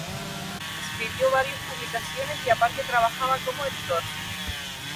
Escribió varios "Publicaciones" y aparte trabajaba como "editor".